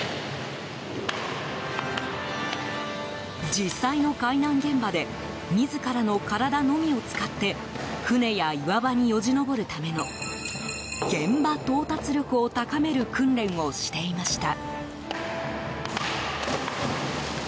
実際の海難現場で自らの体のみを使って船や岩場によじ登るための現場到達力を高める訓練をしていました。